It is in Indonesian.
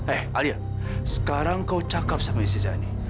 eh alia sekarang kau cakap sama istri saya ini